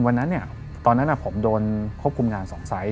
วันนั้นตอนนั้นผมโดนควบคุมงาน๒ไซส์